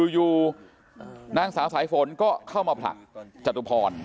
อยู่นางสาวสายฝนก็เข้ามาผลักจตุพร